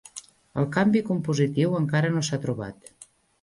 El canvi compositiu encara no s'ha trobat.